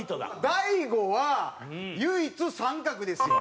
大悟は唯一△ですよ。